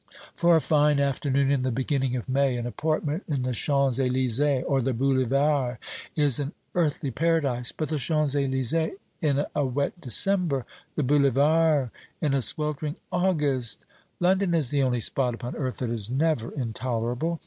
For a fine afternoon in the beginning of May, an apartment in the Champs Elysées, or the Boulevard, is an earthly paradise; but the Champs Elysées in a wet December the Boulevard in a sweltering August! London is the only spot upon earth that is never intolerable.